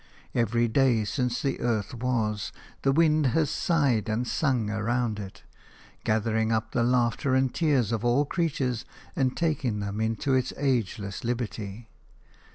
Every day since the earth was, the wind has sighed and sung around it, gathering up the laughter and tears of all creatures and taking them into its ageless liberty.